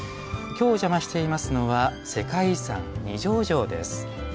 今日、お邪魔していますのは世界遺産・二条城です。